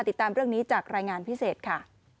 ติดตามเรื่องนี้จากรายงานพิเศษค่ะ